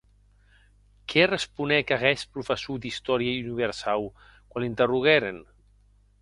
Qué responec aguest professor d’istòria universau quan l’interroguèren?